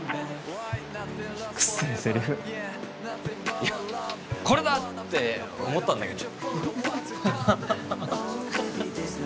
いやこれだ！って思ったんだけど。